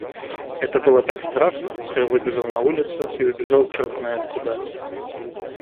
Это было так страшно, что я выбежал на улицу и убежал чёрт знает куда.